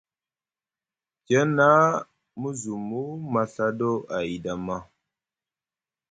Tiyana mu zumu maɵaɗo ayɗi ama ?